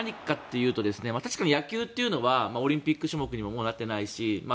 確かに野球というのはオリンピック種目にもなっていないし。